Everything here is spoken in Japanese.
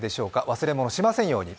忘れ物しませんように。